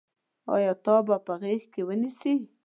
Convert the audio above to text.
آیا تا به په غېږ کې ونیسي.